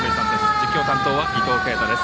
実況担当は伊藤慶太です。